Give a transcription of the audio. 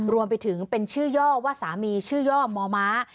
รวมไปถึงเป็นชื่อย่อว่าสามีชื่อย่อมอม้า